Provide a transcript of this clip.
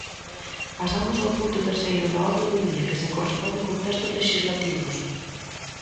Pasamos ao punto terceiro da orde do día, que se corresponde con textos lexislativos.